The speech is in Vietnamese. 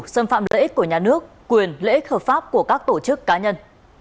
xâm phạm lợi ích của nhà nước quyền lợi ích hợp pháp của các tổ chức cá nhân